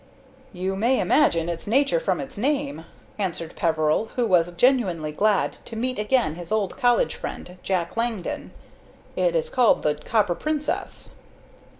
"You may imagine its nature from its name," answered Peveril, who was genuinely glad to meet again his old college friend, Jack Langdon; "it is called the 'Copper Princess.'"